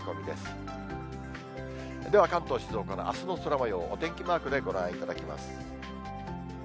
では関東、静岡のあすの空もようをお天気マークでご覧いただきます。